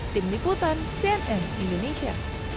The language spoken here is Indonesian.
tim liputan cnn indonesia